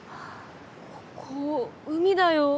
ここ海だよ？